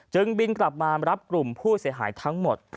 บินกลับมารับกลุ่มผู้เสียหายทั้งหมด